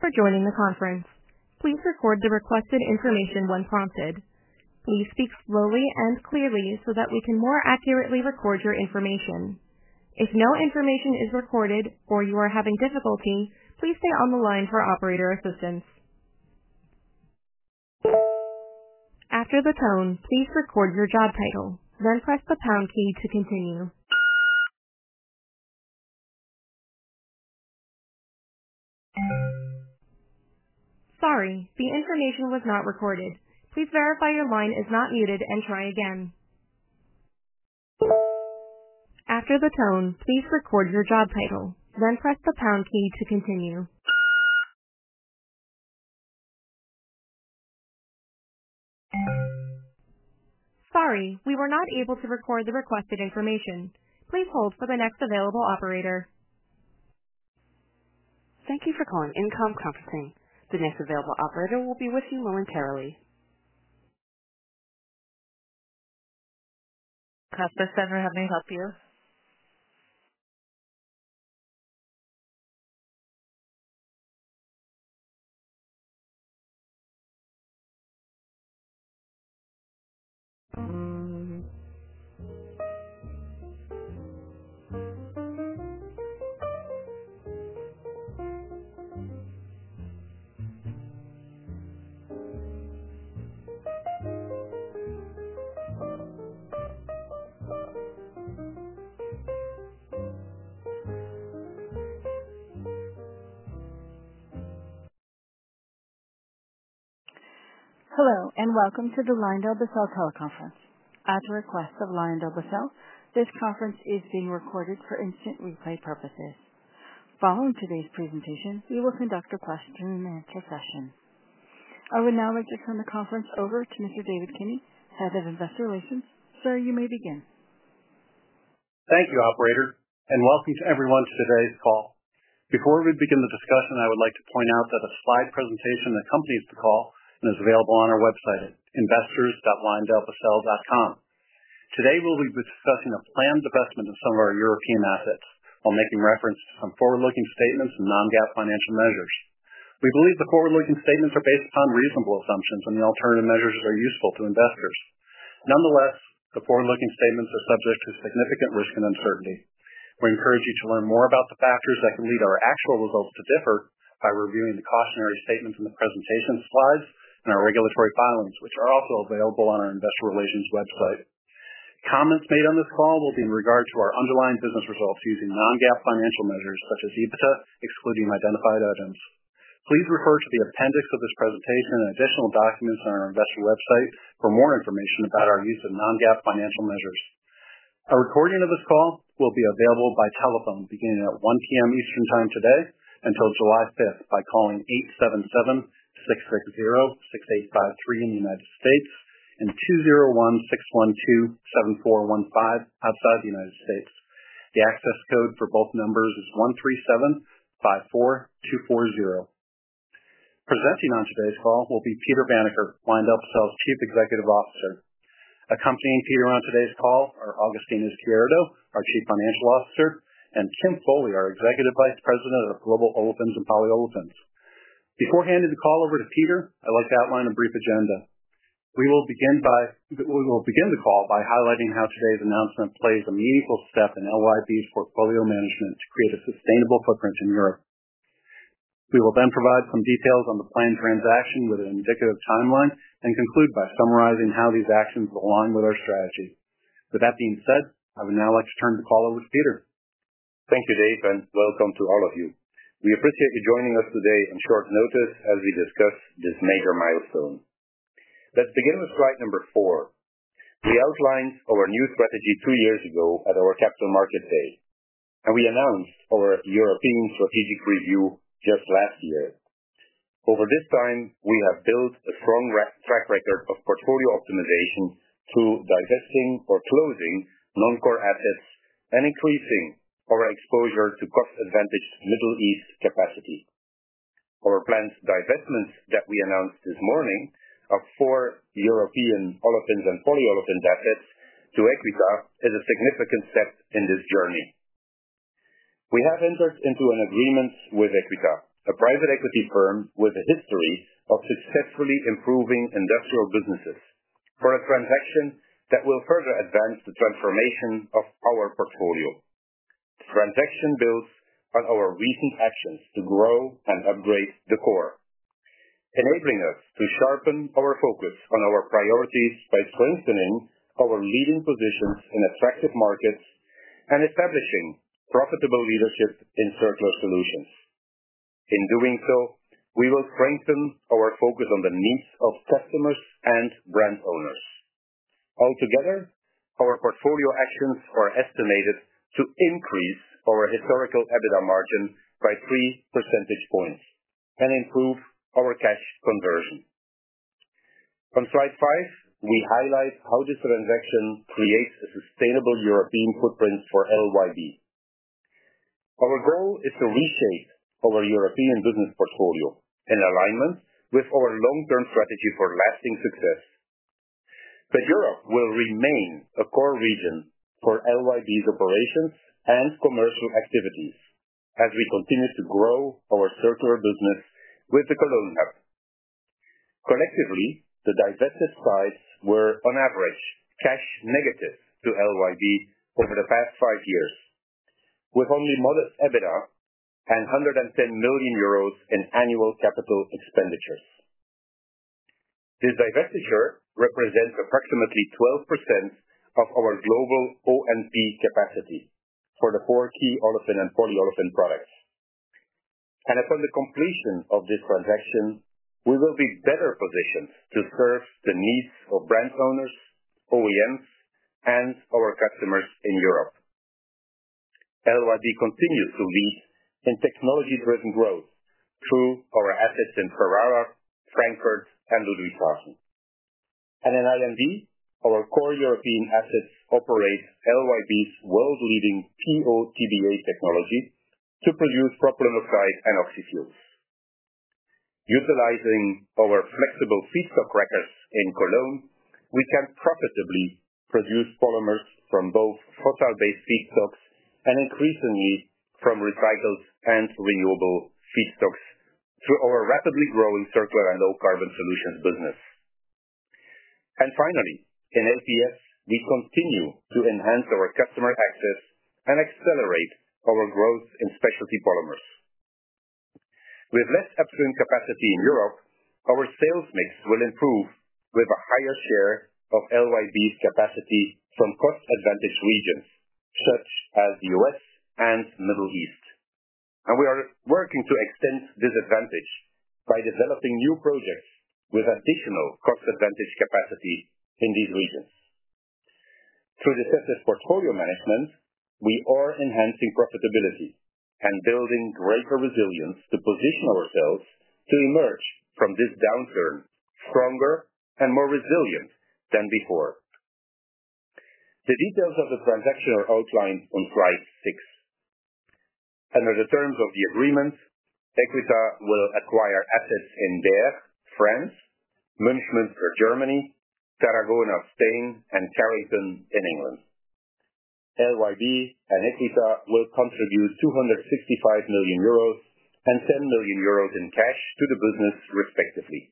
Thank you for joining the conference. Please record the requested information when prompted. Please speak slowly and clearly so that we can more accurately record your information. If no information is recorded or you are having difficulty, please stay on the line for operator assistance. After the tone, please record your job title, then press the pound key to continue. Sorry, the information was not recorded. Please verify your line is not muted and try again. After the tone, please record your job title, then press the pound key to continue. Sorry, we were not able to record the requested information. Please hold for the next available operator. Thank you for calling Income Conferencing. The next available operator will be with you momentarily. Customer Center, how may I help you? Hello and welcome to the LyondellBasell Teleconference. At the request of LyondellBasell, this conference is being recorded for instant replay purposes. Following today's presentation, we will conduct a question-and-answer session. I will now like to turn the conference over to Mr. David Kinney, Head of Investor Relations. Sir, you may begin. Thank you, Operator, and welcome to everyone to today's call. Before we begin the discussion, I would like to point out that a slide presentation accompanies the call and is available on our website at investors.lyondellbasell.com. Today, we'll be discussing a planned investment in some of our European assets while making reference to some forward-looking statements and non-GAAP financial measures. We believe the forward-looking statements are based upon reasonable assumptions and the alternative measures are useful to investors. Nonetheless, the forward-looking statements are subject to significant risk and uncertainty. We encourage you to learn more about the factors that can lead our actual results to differ by reviewing the cautionary statements in the presentation slides and our regulatory filings, which are also available on our Investor Relations website. Comments made on this call will be in regard to our underlying business results using non-GAAP financial measures such as EBITDA, excluding identified items. Please refer to the appendix of this presentation and additional documents on our investor website for more information about our use of non-GAAP financial measures. A recording of this call will be available by telephone beginning at 1:00 P.M. Eastern Time today until July 5th by calling 877-660-6853 in the United States and 201-612-7415 outside the United States. The access code for both numbers is 137-54-240. Presenting on today's call will be Peter Vanacker, LyondellBasell's Chief Executive Officer. Accompanying Peter on today's call are Agustin Izquierdo, our Chief Financial Officer, and Kim Foley, our Executive Vice President of Global Olefins and Polyolefins. Before handing the call over to Peter, I'd like to outline a brief agenda. We will begin the call by highlighting how today's announcement plays a meaningful step in LYB's portfolio management to create a sustainable footprint in Europe. We will then provide some details on the planned transaction with an indicative timeline and conclude by summarizing how these actions align with our strategy. With that being said, I would now like to turn the call over to Peter. Thank you, Dave, and welcome to all of you. We appreciate you joining us today on short notice as we discuss this major milestone. Let's begin with slide number four. We outlined our new strategy two years ago at our Capital Markets Day, and we announced our European Strategic Review just last year. Over this time, we have built a strong track record of portfolio optimization through divesting or closing non-core assets and increasing our exposure to cost-advantaged Middle East capacity. Our planned divestments that we announced this morning of four European olefins and polyolefins assets to Equita is a significant step in this journey. We have entered into an agreement with Equita, a private equity firm with a history of successfully improving industrial businesses, for a transaction that will further advance the transformation of our portfolio. The transaction builds on our recent actions to grow and upgrade the core, enabling us to sharpen our focus on our priorities by strengthening our leading positions in attractive markets and establishing profitable leadership in circular solutions. In doing so, we will strengthen our focus on the needs of customers and brand owners. Altogether, our portfolio actions are estimated to increase our historical EBITDA margin by 3 percentage points and improve our cash conversion. On slide five, we highlight how this transaction creates a sustainable European footprint for LYB. Our goal is to reshape our European business portfolio in alignment with our long-term strategy for lasting success. Europe will remain a core region for LYB's operations and commercial activities as we continue to grow our circular business with the Cologne Hub. Collectively, the divested sites were, on average, cash negative to LYB over the past five years, with only modest EBITDA and 110 million euros in annual capital expenditures. This divestiture represents approximately 12% of our global O&P capacity for the four key olefins and polyolefins products. Upon the completion of this transaction, we will be better positioned to serve the needs of brand owners, OEMs, and our customers in Europe. LYB continues to lead in technology-driven growth through our assets in Ferrara, Frankfurt, and Ludwigshafen. In IND, our core European assets operate LYB's world-leading POTBA technology to produce propylene oxide and oxyfuels. Utilizing our flexible feedstock crackers in Cologne, we can profitably produce polymers from both fossil-based feedstocks and, increasingly, from recycled and renewable feedstocks through our rapidly growing circular and low-carbon solutions business. Finally, in APS, we continue to enhance our customer access and accelerate our growth in specialty polymers. With less upstream capacity in Europe, our sales mix will improve with a higher share of LYB's capacity from cost-advantaged regions such as the U.S. and Middle East. We are working to extend this advantage by developing new projects with additional cost-advantaged capacity in these regions. Through decisive portfolio management, we are enhancing profitability and building greater resilience to position ourselves to emerge from this downturn stronger and more resilient than before. The details of the transaction are outlined on slide six. Under the terms of the agreement, Equita will acquire assets in Bayeux, France, Münchsmünster, Germany, Tarragona, Spain, and Carrington, England. LYB and Equita will contribute 265 million euros and 10 million euros in cash to the business, respectively.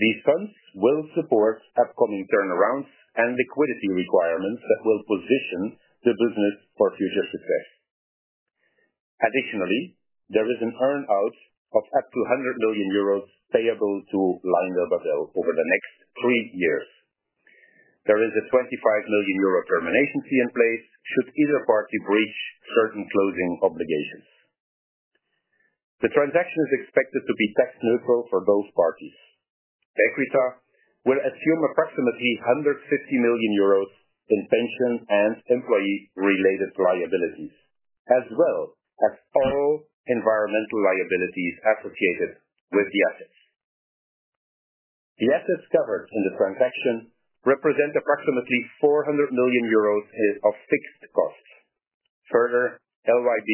These funds will support upcoming turnarounds and liquidity requirements that will position the business for future success. Additionally, there is an earn-out of up to 100 million euros payable to LyondellBasell over the next three years. There is a 25 million euro termination fee in place should either party breach certain closing obligations. The transaction is expected to be tax-neutral for both parties. Equita will assume approximately 150 million euros in pension and employee-related liabilities, as well as all environmental liabilities associated with the assets. The assets covered in the transaction represent approximately 400 million euros of fixed costs. Further, LYB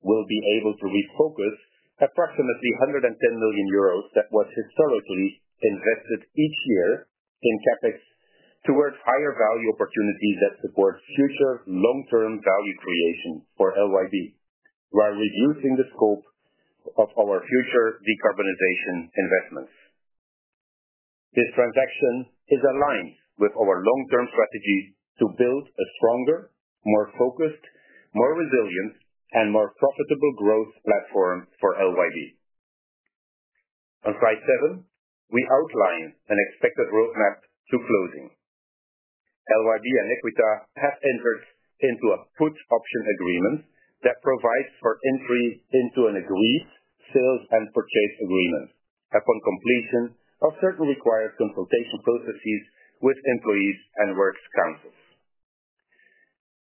will be able to refocus approximately 110 million euros that was historically invested each year in CapEx towards higher value opportunities that support future long-term value creation for LYB, while reducing the scope of our future decarbonization investments. This transaction is aligned with our long-term strategy to build a stronger, more focused, more resilient, and more profitable growth platform for LYB. On slide seven, we outline an expected roadmap to closing. LYB and Equita have entered into a put option agreement that provides for entry into an agreed sales and purchase agreement upon completion of certain required consultation processes with employees and works councils.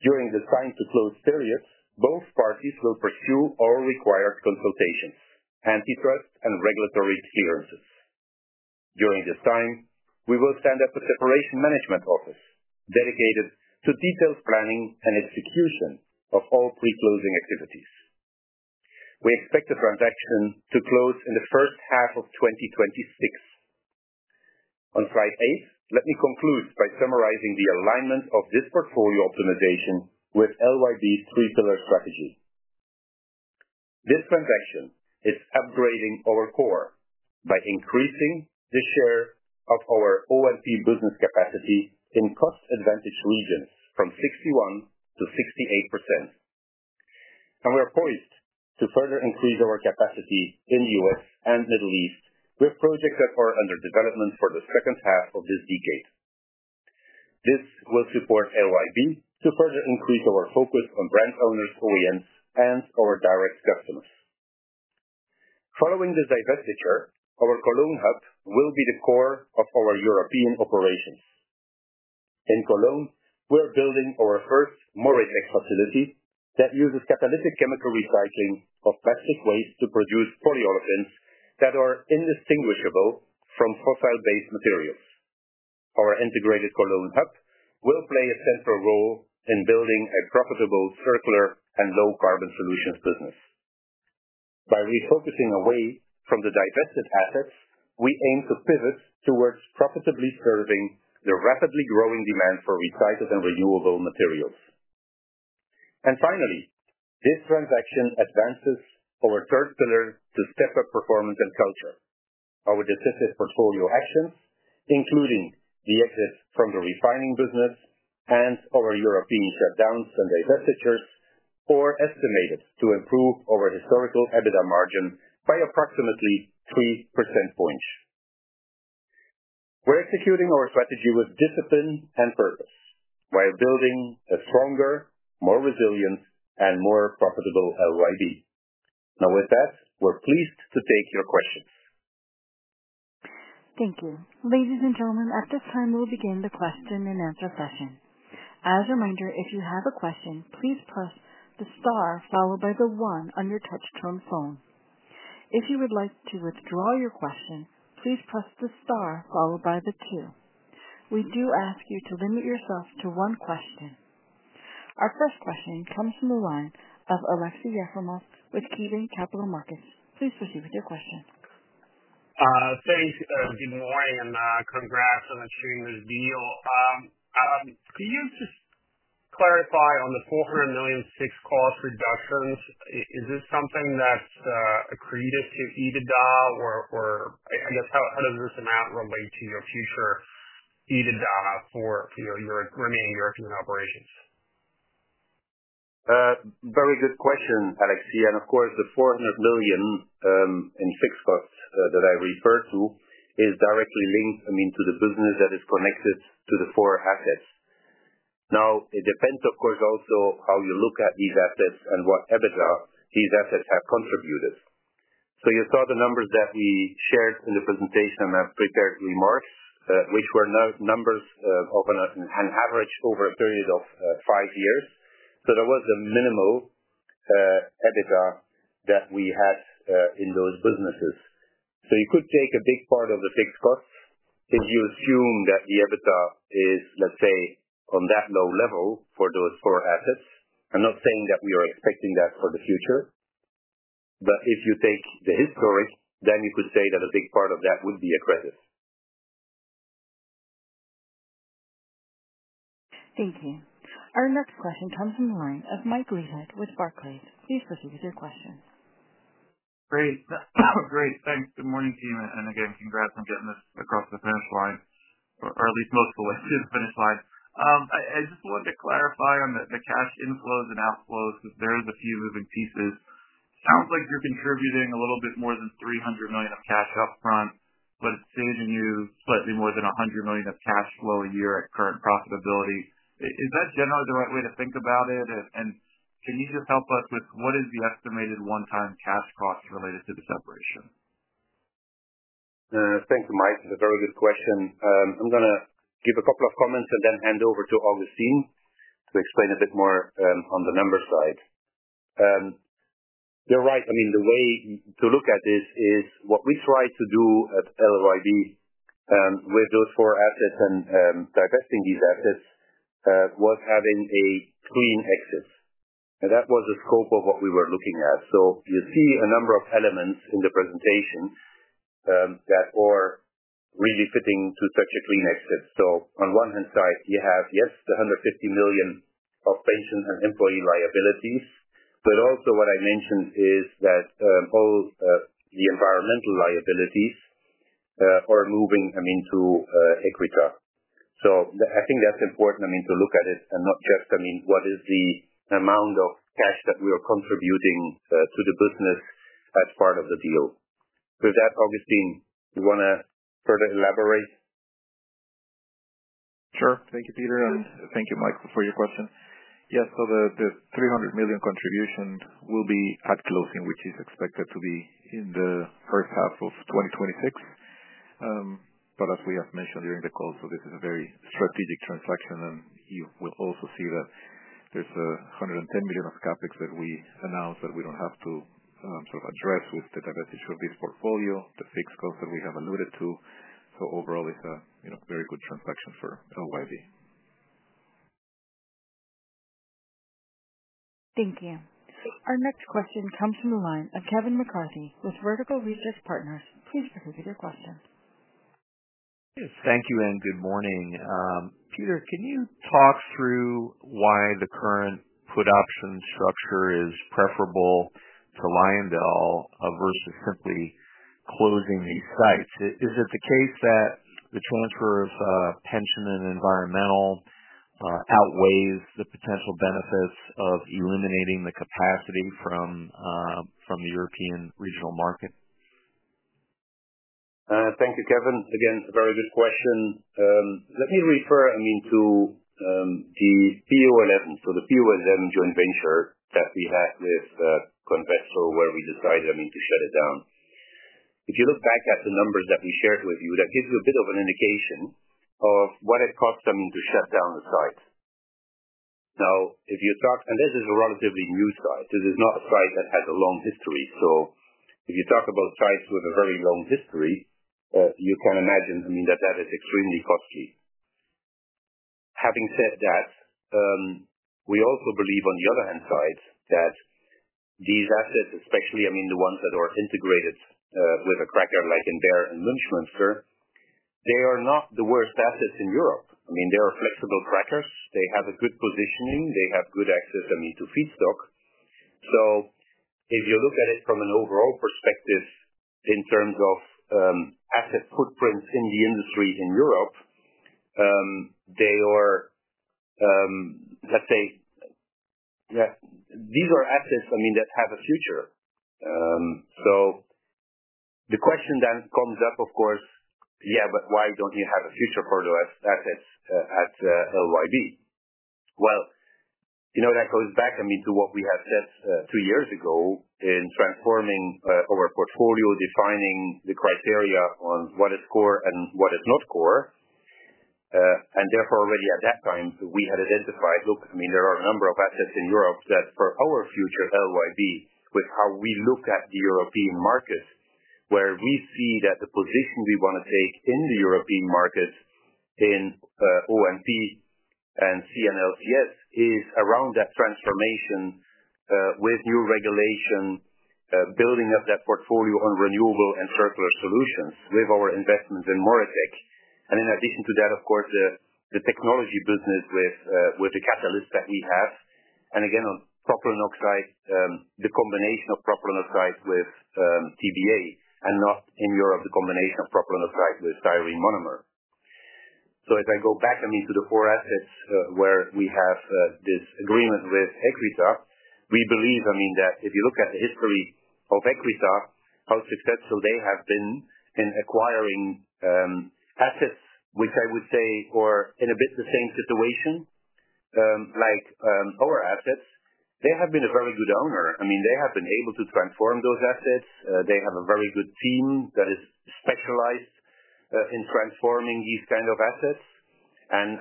During the signed-to-close periods, both parties will pursue all required consultations, antitrust, and regulatory clearances. During this time, we will stand up a separation management office dedicated to detailed planning and execution of all pre-closing activities. We expect the transaction to close in the first half of 2026. On slide eight, let me conclude by summarizing the alignment of this portfolio optimization with LYB's three-pillar strategy. This transaction is upgrading our core by increasing the share of our ONP business capacity in cost-advantage regions from 61% to 68%. We are poised to further increase our capacity in the U.S. and Middle East with projects that are under development for the second half of this decade. This will support LYB to further increase our focus on brand owners, OEMs, and our direct customers. Following this divestiture, our Cologne Hub will be the core of our European operations. In Cologne, we are building our first MORITEC facility that uses catalytic chemical recycling of plastic waste to produce polyolefins that are indistinguishable from fossil-based materials. Our integrated Cologne Hub will play a central role in building a profitable circular and low-carbon solutions business. By refocusing away from the divested assets, we aim to pivot towards profitably serving the rapidly growing demand for recycled and renewable materials. This transaction advances our third pillar to step up performance and culture. Our decisive portfolio actions, including the exit from the refining business and our European shutdowns and divestitures, are estimated to improve our historical EBITDA margin by approximately three percentage points. We are executing our strategy with discipline and purpose while building a stronger, more resilient, and more profitable LYB. Now, with that, we are pleased to take your questions. Thank you. Ladies and gentlemen, at this time, we'll begin the question-and-answer session. As a reminder, if you have a question, please press the star followed by the one on your touch-tone phone. If you would like to withdraw your question, please press the star followed by the two. We do ask you to limit yourself to one question. Our first question comes from the line of Aleksey Yefremov with KeyBanc Capital Markets. Please proceed with your question. Thanks. Good morning. Congrats on achieving this deal. Could you just clarify on the 400 million cost reductions? Is this something that's accretive to EBITDA? Or I guess, how does this amount relate to your future EBITDA for your remaining European operations? Very good question, Aleksey. Of course, the 400 million in fixed costs that I referred to is directly linked to the business that is connected to the four assets. It depends, of course, also how you look at these assets and what EBITDA these assets have contributed. You saw the numbers that we shared in the presentation and I have prepared remarks, which were numbers on an average over a period of five years. There was a minimal EBITDA that we had in those businesses. You could take a big part of the fixed costs if you assume that the EBITDA is, let's say, on that low level for those four assets. I am not saying that we are expecting that for the future. If you take the historic, then you could say that a big part of that would be a credit. Thank you. Our next question comes from the line of Mike Gehlen with Barclays. Please proceed with your question. Great. Great. Thanks. Good morning, team. Again, congrats on getting this across the finish line, or at least most of the way to the finish line. I just wanted to clarify on the cash inflows and outflows because there are a few moving pieces. Sounds like you're contributing a little bit more than 300 million of cash upfront, but it's saving you slightly more than 100 million of cash flow a year at current profitability. Is that generally the right way to think about it? Can you just help us with what is the estimated one-time cash cost related to the separation? Thank you, Mike. It's a very good question. I'm going to give a couple of comments and then hand over to Agustin to explain a bit more on the number side. You're right. I mean, the way to look at this is what we tried to do at LYB with those four assets and divesting these assets was having a clean exit. That was the scope of what we were looking at. You see a number of elements in the presentation that are really fitting to such a clean exit. On one hand side, you have, yes, the 150 million of pension and employee liabilities. Also, what I mentioned is that all the environmental liabilities are moving, I mean, to Equita.I think that's important, I mean, to look at it and not just, I mean, what is the amount of cash that we are contributing to the business as part of the deal. With that, Agustin, you want to further elaborate? Sure. Thank you, Peter. Thank you, Mike, for your question. Yes. The 300 million contribution will be at closing, which is expected to be in the first half of 2026. As we have mentioned during the call, this is a very strategic transaction. You will also see that there is 110 million of CapEx that we announced that we do not have to sort of address with the divestiture of this portfolio, the fixed costs that we have alluded to. Overall, it is a very good transaction for LYB. Thank you. Our next question comes from the line of Kevin McCarthy with Vertical Research Partners. Please proceed with your question. Thank you and good morning. Peter, can you talk through why the current put option structure is preferable to LyondellBasell versus simply closing these sites? Is it the case that the transfer of pension and environmental outweighs the potential benefits of eliminating the capacity from the European regional market? Thank you, Kevin. Again, a very good question. Let me refer, I mean, to the POLM. So the POLM joint venture that we had with Covestro, where we decided, I mean, to shut it down. If you look back at the numbers that we shared with you, that gives you a bit of an indication of what it costs, I mean, to shut down the site. Now, if you talk—this is a relatively new site. This is not a site that has a long history. If you talk about sites with a very long history, you can imagine, I mean, that that is extremely costly. Having said that, we also believe on the other hand side that these assets, especially, I mean, the ones that are integrated with a cracker like in Bayeux and Münchsmünster, they are not the worst assets in Europe. I mean, they are flexible crackers. They have a good positioning. They have good access, I mean, to feedstock. If you look at it from an overall perspective in terms of asset footprints in the industry in Europe, they are, let's say, yeah, these are assets, I mean, that have a future. The question then comes up, of course, yeah, but why don't you have a future for those assets at LyondellBasell? That goes back, I mean, to what we had said two years ago in transforming our portfolio, defining the criteria on what is core and what is not core. Therefore, already at that time, we had identified, look, I mean, there are a number of assets in Europe that for our future LYB, with how we look at the European markets, where we see that the position we want to take in the European markets in ONP and CNLCS is around that transformation with new regulation, building up that portfolio on renewable and circular solutions with our investments in MORITEC. In addition to that, of course, the technology business with the catalysts that we have. Again, on propylene oxide, the combination of propylene oxide with TBA and not in Europe, the combination of propylene oxide with styrene monomer. As I go back, I mean, to the four assets where we have this agreement with Equita, we believe, I mean, that if you look at the history of Equita, how successful they have been in acquiring assets, which I would say are in a bit the same situation like our assets, they have been a very good owner. I mean, they have been able to transform those assets. They have a very good team that is specialized in transforming these kinds of assets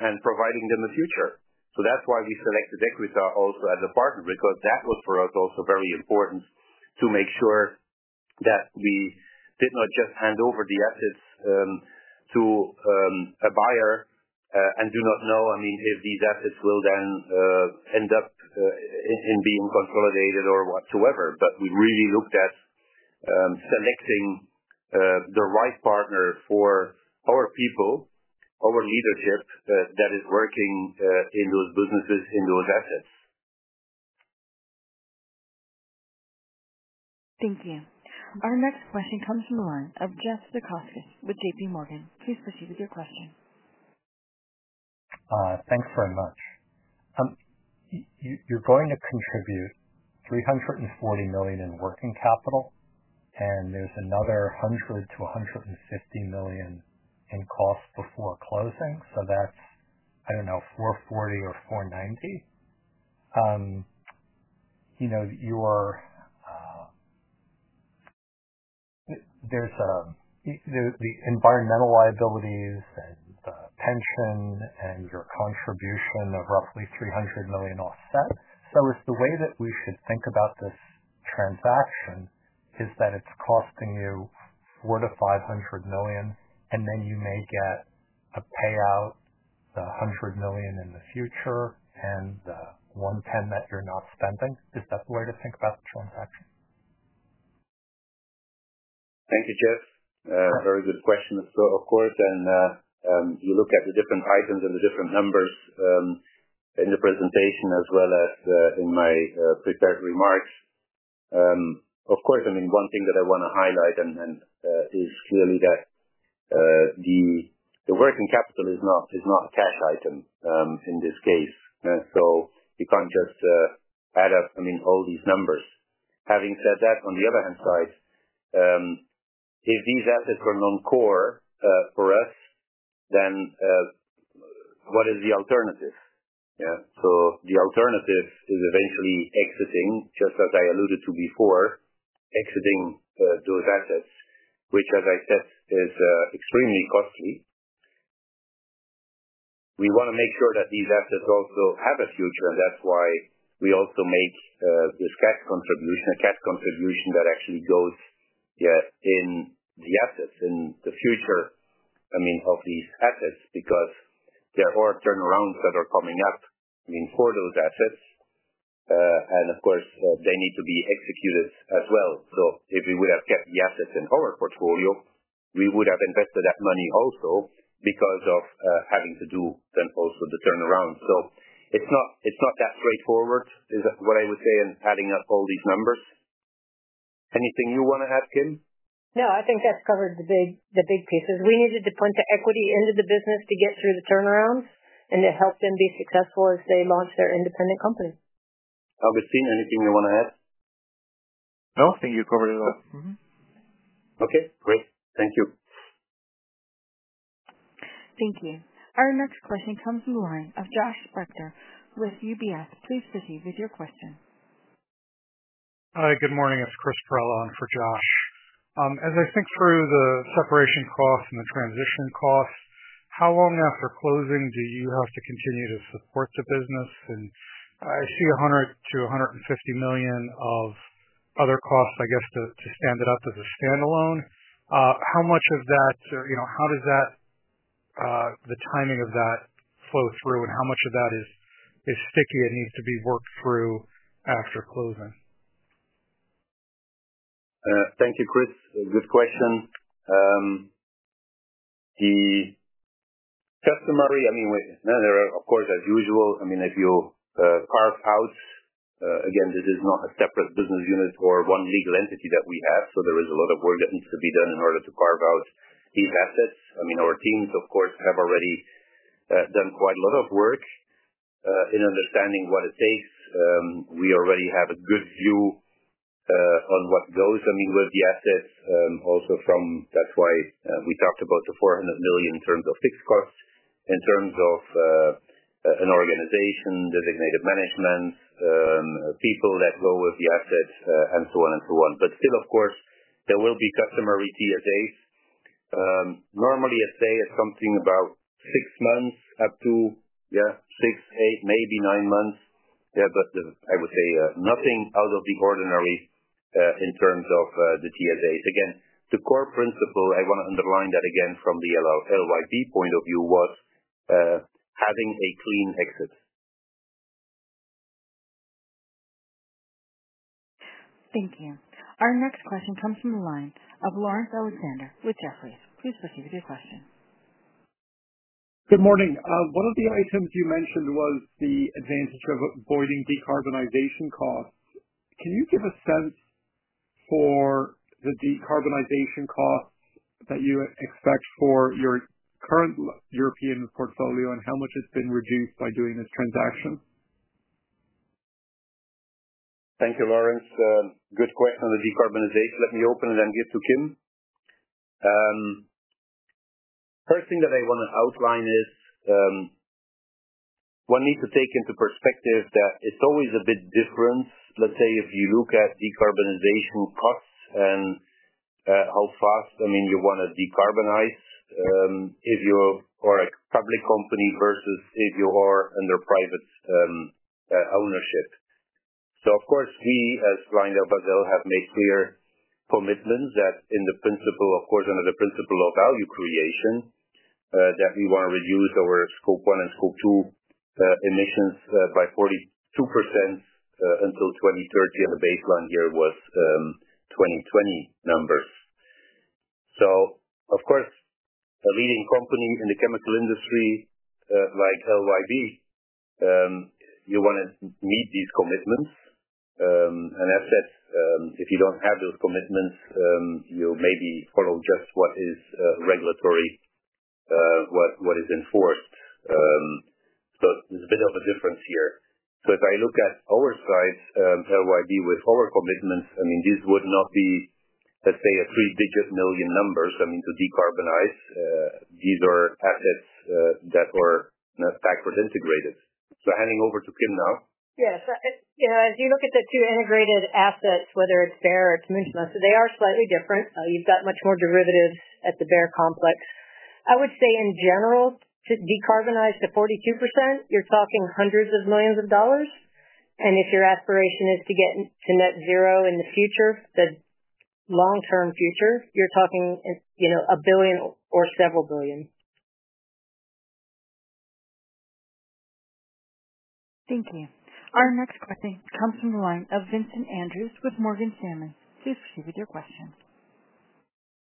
and providing them a future. That is why we selected Equita also as a partner, because that was for us also very important to make sure that we did not just hand over the assets to a buyer and do not know, I mean, if these assets will then end up in being consolidated or whatsoever. We really looked at selecting the right partner for our people, our leadership that is working in those businesses, in those assets. Thank you. Our next question comes from the line of Jeff Zekauskas with JPMorgan. Please proceed with your question. Thanks very much. You're going to contribute 340 million in working capital, and there's another 100 million-150 million in costs before closing. So that's, I don't know, 440 million or 490 million. There's the environmental liabilities and the pension and your contribution of roughly 300 million offset. Is the way that we should think about this transaction that it's costing you 400 million-500 million, and then you may get a payout, the 100 million in the future and the 110 million that you're not spending. Is that the way to think about the transaction? Thank you, Jeff. Very good question. Of course, you look at the different items and the different numbers in the presentation as well as in my prepared remarks. Of course, one thing that I want to highlight is clearly that the working capital is not a cash item in this case. You cannot just add up all these numbers. Having said that, on the other hand side, if these assets are non-core for us, then what is the alternative? Yeah. The alternative is eventually exiting, just as I alluded to before, exiting those assets, which, as I said, is extremely costly. We want to make sure that these assets also have a future. That is why we also make this cash contribution, a cash contribution that actually goes in the assets, in the future, I mean, of these assets, because there are turnarounds that are coming up, I mean, for those assets. Of course, they need to be executed as well. If we would have kept the assets in our portfolio, we would have invested that money also because of having to do then also the turnaround. It is not that straightforward, is what I would say, in adding up all these numbers. Anything you want to add, Kim? No, I think that's covered the big pieces. We needed to put the equity into the business to get through the turnarounds and to help them be successful as they launch their independent company. Agustin, anything you want to add? No, I think you covered it all. Okay. Great. Thank you. Thank you. Our next question comes from the line of Josh Spector with UBS. Please proceed with your question. Hi, good morning. It's Chris Parellon for Josh. As I think through the separation costs and the transition costs, how long after closing do you have to continue to support the business? I see 100 million-150 million of other costs, I guess, to stand it up as a standalone. How much of that, how does the timing of that flow through, and how much of that is sticky and needs to be worked through after closing? Thank you, Chris. Good question. The customary, I mean, there are, of course, as usual, I mean, if you carve out, again, this is not a separate business unit or one legal entity that we have. There is a lot of work that needs to be done in order to carve out these assets. I mean, our teams, of course, have already done quite a lot of work in understanding what it takes. We already have a good view on what goes, I mean, with the assets also from. That is why we talked about the 400 million in terms of fixed costs, in terms of an organization, designated management, people that go with the assets, and so on and so on. Still, of course, there will be customary TSAs. Normally, a TSA is something about six months up to, yeah, six, eight, maybe nine months. Yeah.I would say nothing out of the ordinary in terms of the TSAs. Again, the core principle, I want to underline that again from the LYB point of view, was having a clean exit. Thank you. Our next question comes from the line of Laurence Alexander with Jefferies. Please proceed with your question. Good morning. One of the items you mentioned was the advantage of avoiding decarbonization costs. Can you give a sense for the decarbonization costs that you expect for your current European portfolio and how much it's been reduced by doing this transaction? Thank you, Laurence. Good question on the decarbonization. Let me open and then give to Kim. First thing that I want to outline is one needs to take into perspective that it's always a bit different. Let's say if you look at decarbonization costs and how fast, I mean, you want to decarbonize if you are a public company versus if you are under private ownership. Of course, we as LyondellBasell have made clear commitments that in the principle, of course, under the principle of value creation, that we want to reduce our Scope 1 and Scope 2 emissions by 42% until 2030, and the baseline here was 2020 numbers. Of course, a leading company in the chemical industry like LYB, you want to meet these commitments. As I said, if you do not have those commitments, you maybe follow just what is regulatory, what is enforced. There's a bit of a difference here. If I look at our side, LYB with our commitments, I mean, these would not be, let's say, a three-digit million numbers, I mean, to decarbonize. These are assets that are backward integrated. Handing over to Kim now. Yes. As you look at the two integrated assets, whether it's Bayeux or it's Münchsmünster, they are slightly different. You've got much more derivatives at the Bayeux complex. I would say, in general, to decarbonize to 42%, you're talking hundreds of millions of dollars. If your aspiration is to get to net zero in the future, the long-term future, you're talking a billion or several billion. Thank you. Our next question comes from the line of Vincent Andrews with Morgan Stanley. Please proceed with your question.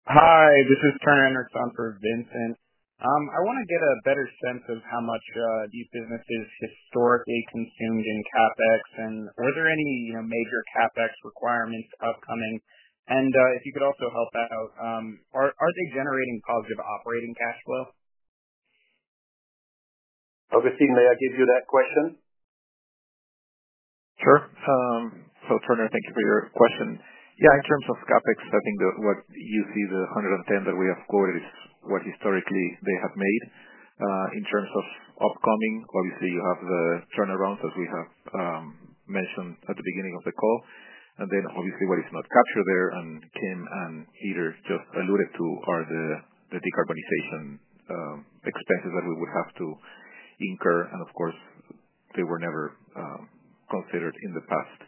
Hi, this is Tryon Erksohn for Vincent. I want to get a better sense of how much these businesses historically consumed in CapEx. Were there any major CapEx requirements upcoming? If you could also help out, are they generating positive operating cash flow? Agustin, may I give you that question? Sure. Tryon, thank you for your question. Yeah, in terms of CapEx, I think what you see, the 110 million that we have quoted is what historically they have made. In terms of upcoming, obviously, you have the turnarounds as we have mentioned at the beginning of the call. Obviously, what is not captured there, and Kim and Peter just alluded to, are the decarbonization expenses that we would have to incur. Of course, they were never considered in the past.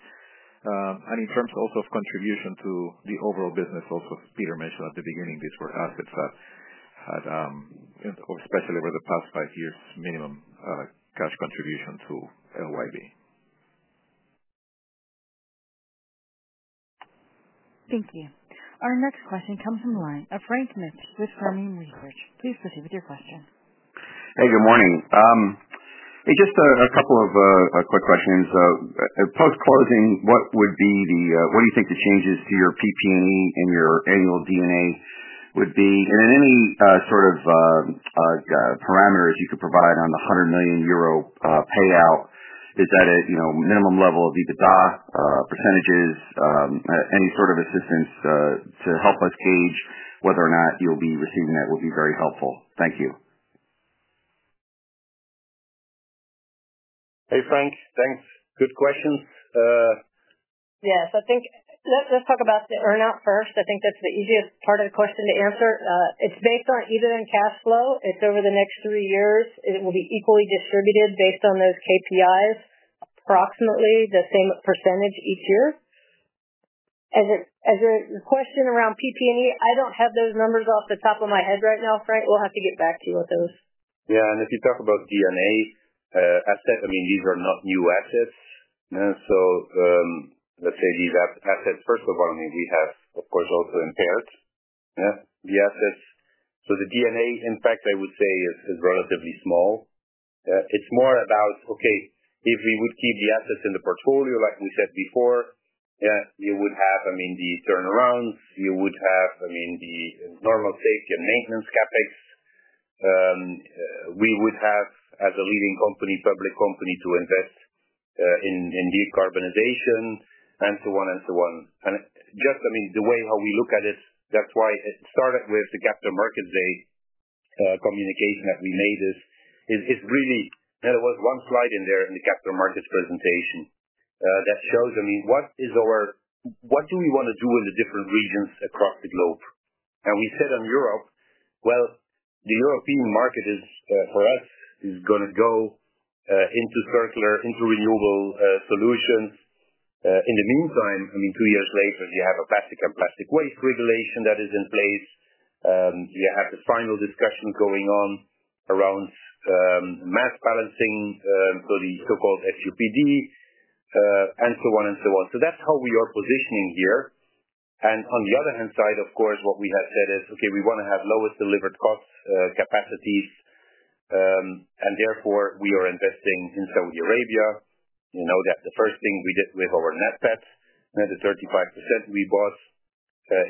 In terms also of contribution to the overall business, also Peter mentioned at the beginning, these were assets that had, especially over the past five years, minimum cash contribution to LYB. Thank you. Our next question comes from the line of Frank Mitsch with Fermium Research. Please proceed with your question. Hey, good morning. Just a couple of quick questions. Post-closing, what would be the, what do you think the changes to your PP&E and your annual D&A would be? Then any sort of parameters you could provide on the 100 million euro payout? Is that a minimum level of EBITDA percentages? Any sort of assistance to help us gauge whether or not you'll be receiving that would be very helpful. Thank you. Hey, Frank. Thanks. Good questions. Yes. I think let's talk about the earnout first. I think that's the easiest part of the question to answer. It's based on EBITDA and cash flow. It's over the next three years. It will be equally distributed based on those KPIs, approximately the same percentage each year. As a question around PP&E, I don't have those numbers off the top of my head right now, Frank. We'll have to get back to you with those. Yeah. If you talk about DNA asset, I mean, these are not new assets. Let's say these assets, first of all, I mean, we have, of course, also impaired the assets. The DNA, in fact, I would say, is relatively small. It's more about, okay, if we would keep the assets in the portfolio, like we said before, you would have, I mean, the turnarounds. You would have, I mean, the normal safety and maintenance CapEx. We would have, as a leading public company, to invest in decarbonization and so on and so on. Just, I mean, the way how we look at it, that's why it started with the Capital Markets Day communication that we made. There was one slide in there in the Capital Markets presentation that shows, I mean, what do we want to do in the different regions across the globe? We said on Europe, the European market for us is going to go into circular, into renewable solutions. In the meantime, I mean, two years later, you have a plastic and plastic waste regulation that is in place. You have the final discussions going on around mass balancing for the so-called SUPD and so on and so on. That's how we are positioning here. On the other hand side, of course, what we have said is, okay, we want to have lowest delivered cost capacities. Therefore, we are investing in Saudi Arabia. You know that the first thing we did with our NAPEC, the 35% we bought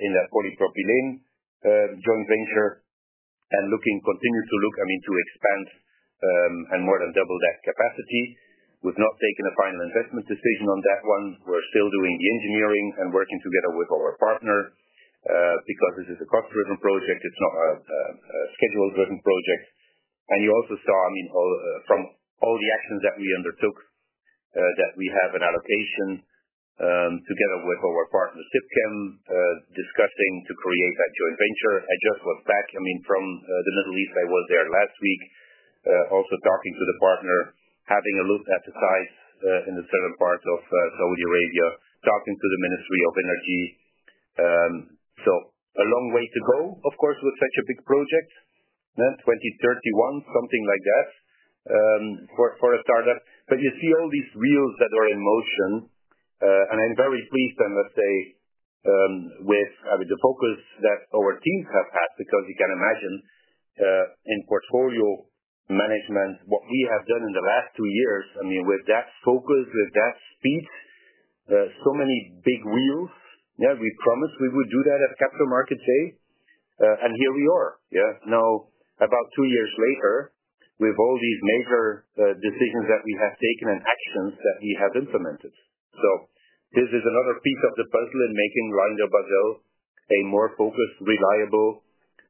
in that polypropylene joint venture and looking, continue to look, I mean, to expand and more than double that capacity. We have not taken a final investment decision on that one. We are still doing the engineering and working together with our partner because this is a cost-driven project. It is not a schedule-driven project. You also saw, I mean, from all the actions that we undertook, that we have an allocation together with our partner, SIPCHEM, discussing to create that joint venture. I just was back, I mean, from the Middle East. I was there last week, also talking to the partner, having a look at the sites in the southern part of Saudi Arabia, talking to the Ministry of Energy. A long way to go, of course, with such a big project, 2031, something like that for a startup. You see all these wheels that are in motion. I'm very pleased, let's say, with the focus that our teams have had because you can imagine in portfolio management, what we have done in the last two years, I mean, with that focus, with that speed, so many big wheels. We promised we would do that at Capital Markets Day. Here we are. Now, about two years later, with all these major decisions that we have taken and actions that we have implemented. This is another piece of the puzzle in making LyondellBasell a more focused, reliable,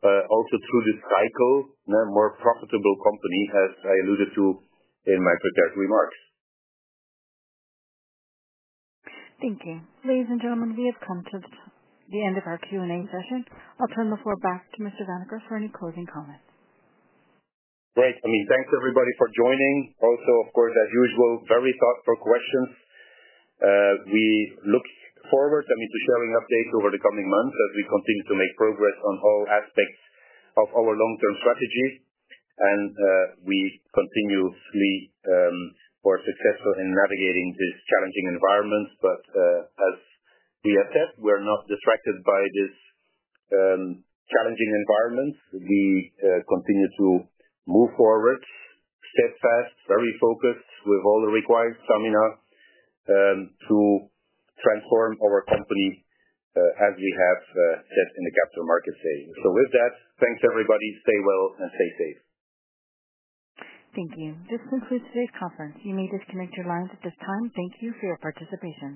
also through the cycle, more profitable company, as I alluded to in my prepared remarks. Thank you. Ladies and gentlemen, we have come to the end of our Q&A session. I'll turn the floor back to Mr. Vanacker for any closing comments. Great. I mean, thanks everybody for joining. Also, of course, as usual, very thoughtful questions. We look forward, I mean, to sharing updates over the coming months as we continue to make progress on all aspects of our long-term strategy. We continue to be successful in navigating these challenging environments. As we have said, we're not distracted by this challenging environment. We continue to move forward, steadfast, very focused with all the required stamina to transform our company as we have said in the Capital Markets Day. With that, thanks everybody. Stay well and stay safe. Thank you. This concludes today's conference. You may disconnect your lines at this time. Thank you for your participation.